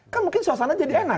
kan mungkin suasana jadi enak